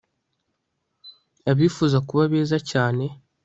Abifuza kuba beza cyane